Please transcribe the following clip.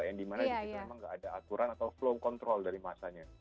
yang dimana memang tidak ada aturan atau flow control dari masanya